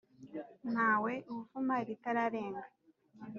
Ntawe uvuma iritararenga.